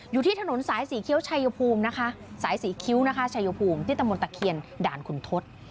อยู่ที่ถนนสายสี่คิ้วชัยภูมินะคะสายสีคิ้วนะคะชายภูมิที่ตะมนตะเคียนด่านขุนทศ